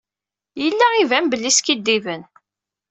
Yella iban belli skiddiben.